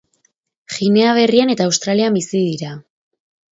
Ginea Berrian eta Australian bizi dira.